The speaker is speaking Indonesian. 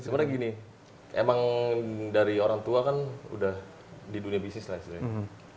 sebenarnya gini emang dari orang tua kan udah di dunia bisnis lah sebenarnya